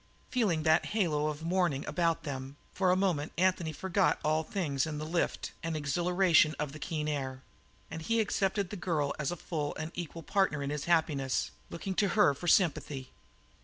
Feeling that halo of the morning about them, for a moment Anthony forgot all things in the lift and exhilaration of the keen air; and he accepted the girl as a full and equal partner in his happiness, looking to her for sympathy.